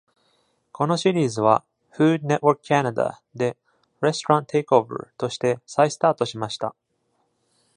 このシリーズは、Food Network Canada で「Restaurant Takeover」として再スタートしました。